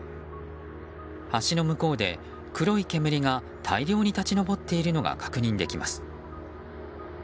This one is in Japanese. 橋の向こうで、黒い煙が大量に立ち上っているのが確認できます。